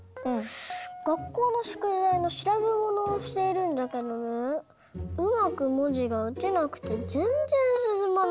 がっこうのしゅくだいのしらべものをしているんだけどねうまくもじがうてなくてぜんぜんすすまないんだよ。